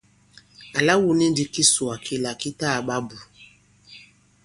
Àla wu ni ndī kisùwà kila ki ta kaɓa bù !